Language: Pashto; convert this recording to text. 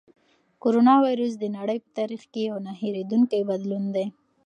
کرونا وېروس د نړۍ په تاریخ کې یو نه هېرېدونکی بدلون دی.